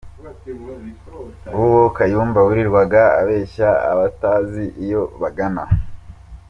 Nguwo Kayumba wirirwa abeshya abatazi iyo bagana !